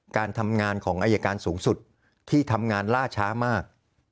การทำงานของอายการสูงสุดที่ทำงานล่าช้ามาก